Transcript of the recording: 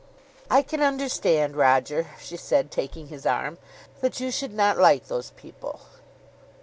"I can understand, Roger," she said, taking his arm, "that you should not like those people."